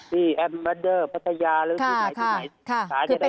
แอมมาเดอร์พัทยาหรือที่ไหนที่ไหน